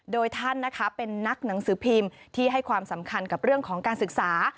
โดยท่านนะคะเป็นนักหนังสือพิมพ์ที่ให้ความสำคัญกับเรื่องของการศึกษา